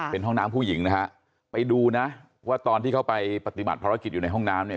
เป็นห้องน้ำผู้หญิงนะฮะไปดูนะว่าตอนที่เขาไปปฏิบัติภารกิจอยู่ในห้องน้ำเนี่ย